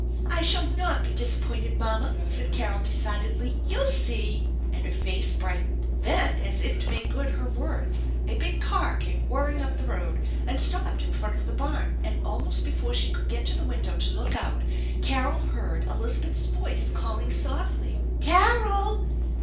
"I shall not be disappointed, mamma," said Carol de cidedly. " You'll see !" and her face brightened. Then as if to make good her words a big car came whirring up the road and stopped in front of the barn, and almost before she could get to the window to look out Carol heard Elizabeth's voice calling softly: "Carol!